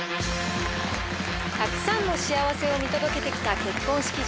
たくさんの幸せを見届けてきた結婚式場